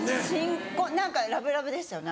何かラブラブでしたよね